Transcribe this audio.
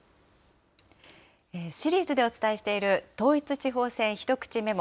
シリーズでお伝えしている、統一地方選ひとくちメモ。